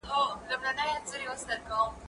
هغه څوک چي منډه وهي قوي کيږي!!